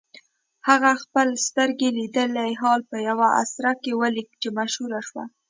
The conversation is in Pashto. هغه خپل سترګو لیدلی حال په یوه اثر کې ولیکه چې مشهور شو.